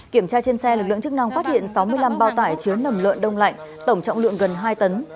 kiểm tra trên xe lực lượng chức năng phát hiện sáu mươi năm bao tải chứa nầm lợn đông lạnh tổng trọng lượng gần hai tấn